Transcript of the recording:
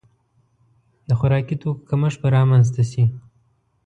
د خوراکي توکو کمښت به رامنځته شي.